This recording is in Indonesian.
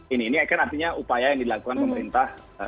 ini ini kan artinya upaya yang dilakukan pemerintah